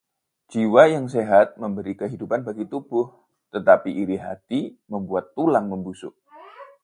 Jiwa yang sehat memberi kehidupan bagi tubuh, tetapi iri hati membuat tulang membusuk.